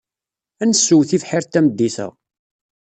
Ad nessew tibḥirt tameddit-a.